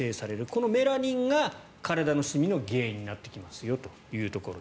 このメラニンが体のシミの原因になってきますよというところ。